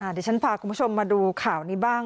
เดี๋ยวฉันพาคุณผู้ชมมาดูข่าวนี้บ้าง